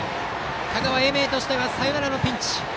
香川・英明としてはサヨナラのピンチ。